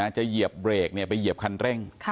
เหยียบเบรกไปเหยียบคันเร่ง